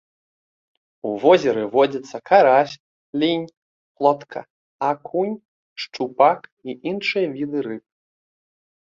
У возеры водзяцца карась, лінь, плотка, акунь, шчупак і іншыя віды рыб.